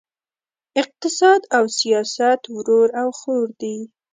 اقتصاد او سیاست ورور او خور دي!